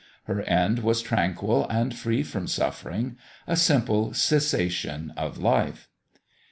Her end was tranquil and free from suffering a simple cessation of life.